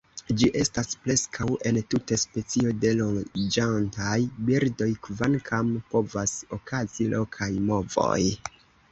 Ĝi estas preskaŭ entute specio de loĝantaj birdoj, kvankam povas okazi lokaj movoj.